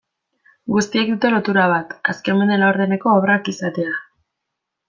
Guztiek dute lotura bat, azken mende laurdeneko obrak izatea.